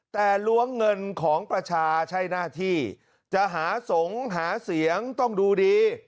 แต่ล้วงเงินของประชาใช้หน้าที่จะหาสงฆ์หาเสียงต้องดูดี